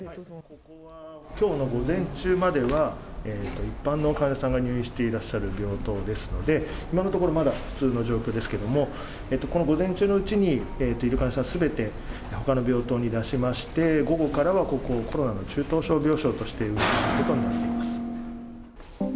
きょうの午前中までは、一般の患者さんが入院していらっしゃる病棟ですので、今のところまだ普通の状況ですけれども、この午前中のうちに、いる患者さんすべてほかの病棟に出しまして、午後からはここをコロナの中等症病床として運営することになっています。